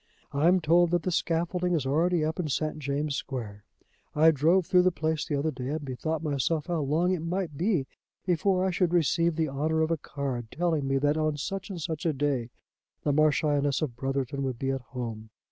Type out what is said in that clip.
I am told that the scaffolding is already up in St. James' Square. I drove through the place the other day, and bethought myself how long it might be before I should receive the honour of a card telling me that on such and such a day the Marchioness of Brotherton would be at home.